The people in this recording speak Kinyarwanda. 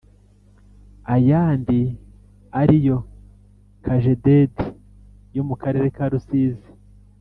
Ayandi ari yo cajeded yo mu karere ka rusizi